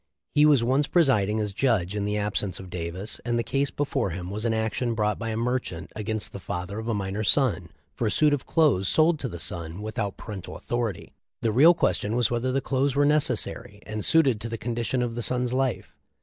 He was once presiding as judge in the absence of Davis, and the case before him was an action brought by a merchant against the father of a minor son for a suit of clothes sold to the son without parental authority. The real question was whether the clothes were necessary, and suited to the condition of the son's life.